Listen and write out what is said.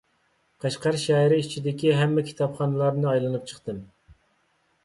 قەشقەر شەھىرى ئىچىدىكى ھەممە كىتابخانىلارنى ئايلىنىپ چىقتىم.